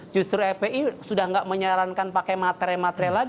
justru epi sudah tidak menyarankan pakai matre matre lagi